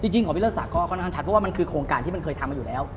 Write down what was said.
จริงของพี่เลิศศักดิ์ค่อนข้างชัดเพราะว่ามันคือโครงการที่มันเคยทำมาอยู่แล้ว